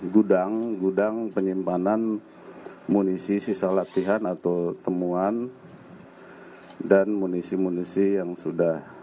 gudang gudang penyimpanan munisi sisa latihan atau temuan dan munisi munisi yang sudah